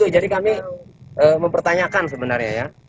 jadi kami mempertanyakan sebenarnya ya